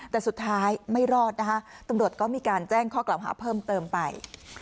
แต่สุดท้ายไม่รอดนะคะตำรวจก็มีการแจ้งข้อกล่าวหาเพิ่มเติมไป